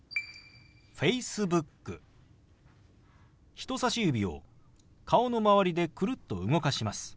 人さし指を顔の周りでくるっと動かします。